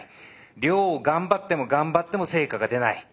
量を頑張っても頑張っても成果が出ない。